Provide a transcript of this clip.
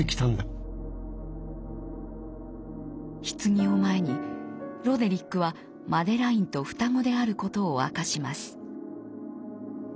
ひつぎを前にロデリックはマデラインと双子であることを明かします。